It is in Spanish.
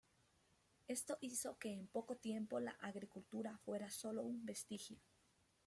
Esto hizo que en poco tiempo la agricultura fuera solo un vestigio.